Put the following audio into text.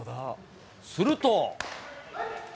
すると。